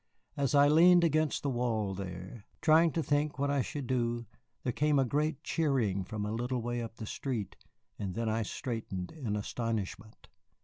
As I leaned against the wall there, trying to think what I should do, there came a great cheering from a little way up the street, and then I straightened in astonishment.